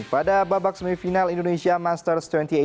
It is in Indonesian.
pada babak semifinal indonesia masters dua ribu delapan belas